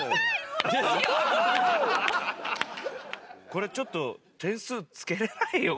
これちょっと点数つけれないよ。